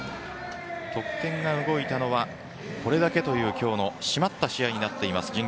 得点が動いたのはこれだけという、今日の締まった試合になっています